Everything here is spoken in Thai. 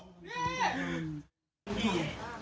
เฮ้ย